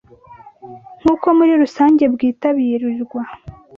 nk’uko muri rusange bwitabirirwa